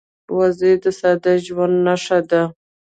وزې د ساده ژوند نښه ده